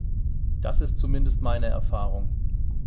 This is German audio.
Das ist zumindest meine Erfahrung.